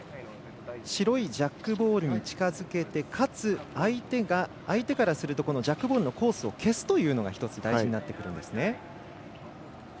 白いジャックボールに近づけてかつ相手からするとジャックボールのコースを消すというのが大事になってくるんですね。